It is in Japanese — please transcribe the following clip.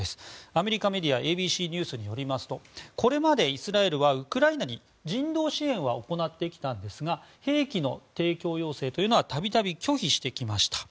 アメリカメディアＡＢＣニュースによりますとこれまでイスラエルはウクライナに人道支援は行ってきたんですが兵器の提供要請というのは度々拒否してきました。